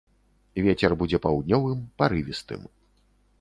Вецер будзе паўднёвым, парывістым.